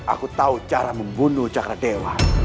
aku tahu cara membunuh cakra dewa